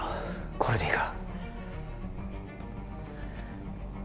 これでいいか？